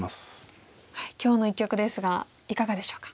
今日の一局ですがいかがでしょうか？